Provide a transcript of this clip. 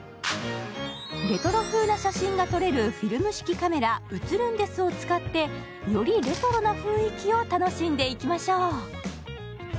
レトロ風な写真が撮れるフィルム式カメラ写ルンですを使って、よりレトロな雰囲気を楽しんでいきましょう。